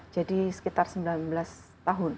jadi sekitar sembilan belas tahun